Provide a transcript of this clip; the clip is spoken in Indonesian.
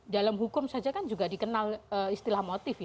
dalam hukum saja kan juga dikenal istilah motif ya